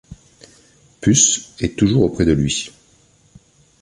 Puce est toujours auprès de lui.